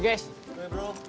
gue cabut dulu ya